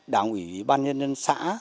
đảng ủy ban nhân dân xã